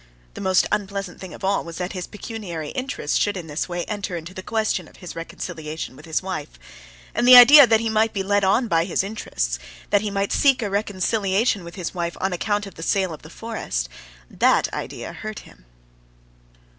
The most unpleasant thing of all was that his pecuniary interests should in this way enter into the question of his reconciliation with his wife. And the idea that he might be led on by his interests, that he might seek a reconciliation with his wife on account of the sale of the forest—that idea hurt him.